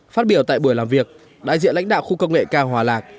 phát biểu tại buổi làm việc đại diện lãnh đạo khu công nghệ cao hòa lạc